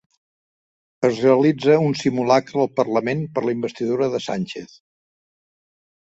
Es realitza un simulacre al parlament per la investidura de Sánchez